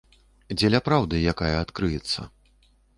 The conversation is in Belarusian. Дзеля праўды, якая адкрыецца.